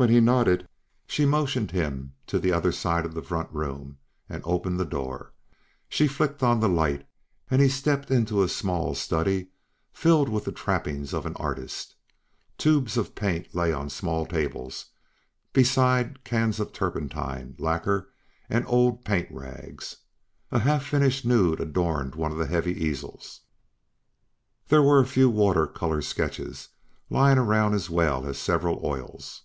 When he nodded, she motioned him to the other side of the front room and opened the door. She flicked on the light and he stepped into a small study filled with the trappings of an artist. Tubes of paint lay on small tables, beside cans of turpentine, lacquer and old paint rags. A half finished nude adorned one of the heavy easels. There were a few water color sketches laying around as well as several oils.